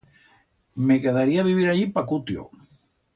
Me quedaría a vivir allí pa cutio.